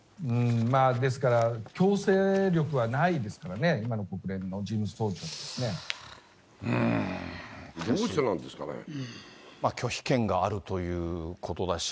ですから、強制力はないですからね、今の国連の事務総長にはどうしてなんですかね。拒否権があるということだし。